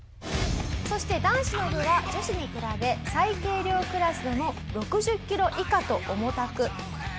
そして男子の部は女子に比べ最軽量クラスでも６０キロ以下と重たく。